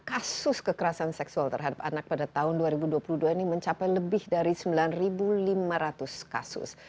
kasus kekerasan seksual terhadap anak pada tahun dua ribu dua puluh dua ini mencapai lebih dari sembilan lima ratus kasus